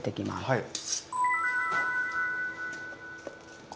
はい。